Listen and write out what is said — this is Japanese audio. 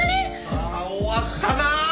ああ終わったな。